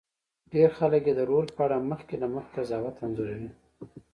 ډېر خلک یې د رول په اړه مخکې له مخکې قضاوت انځوروي.